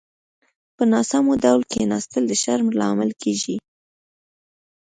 په ناسمو ډول کيناستل د شرم لامل کېږي.